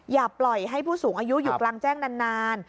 อย่าปล่อยให้ผู้สูงอายุอยู่กลางแจ้งนาน